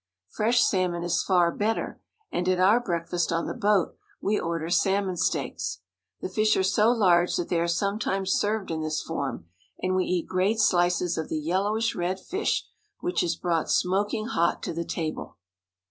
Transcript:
Fresh salm on is far better, and at our breakfast on the boat we order salmon steaks. The fish are so large that they are sometimes served in this form, and we eat great slices of 282 THE PACIFIC NORTHWEST. the yellowish red fish which is brought smoking hot to the . table.